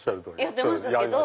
やってましたけど。